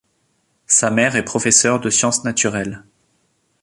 Sa mère est professeure de sciences naturelles.